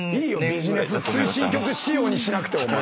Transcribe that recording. ビジネス推進局仕様にしなくて。